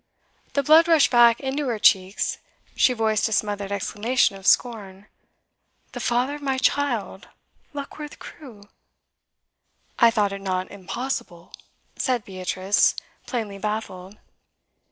The blood rushed back into her cheeks; she voiced a smothered exclamation of scorn. 'The father of my child? Luckworth Crewe?' 'I thought it not impossible,' said Beatrice, plainly baffled.